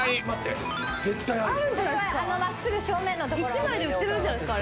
１枚で売ってるんじゃないですか？